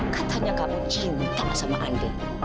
katanya kamu cinta sama andi